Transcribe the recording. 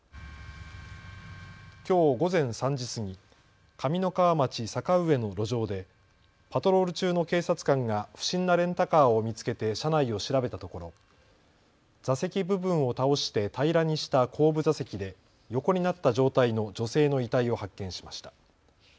きょう午前３時過ぎ、上三川町坂上の路上でパトロール中の警察官が不審なレンタカーを見つけて車内を調べたところ座席部分を倒して平らにした後部座席で横になった状態の女性の遺体を発見しました。